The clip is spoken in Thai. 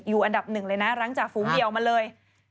อยู่อันดับหนึ่งเลยนะรั้งจากฟูเมียลมาเลย